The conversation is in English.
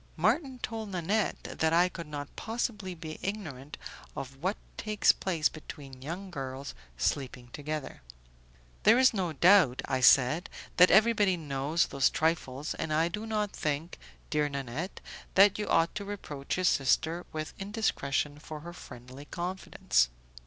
Marton told Nanette that I could not possibly be ignorant of what takes place between young girls sleeping together. "There is no doubt," I said, "that everybody knows those trifles, and I do not think, dear Nanette, that you ought to reproach your sister with indiscretion for her friendly confidence."